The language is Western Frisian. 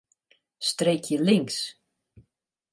Streekje links.